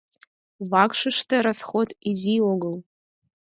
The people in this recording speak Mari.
Вакшыште расход изи огыл.